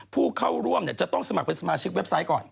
ผู้เข้าร่วมจะต้องสมัครเป็นสมาชิกเว็บไซต์ก่อน